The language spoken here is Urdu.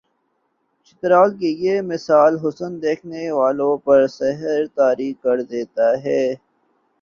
چترال کا یہ بے مثال حسن دیکھنے والوں پر سحر طاری کردیتا ہے